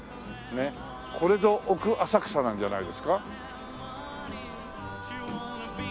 これぞ奥浅草なんじゃないですか？